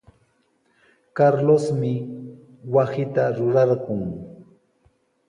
Carlosmi wasita rurarqun.